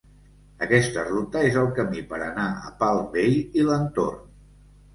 Aquesta ruta és el camí per anar a Palm Bay i l'entorn.